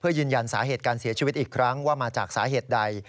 ยืนยันสาเหตุการเสียชีวิตอีกครั้งว่ามาจากสาเหตุใด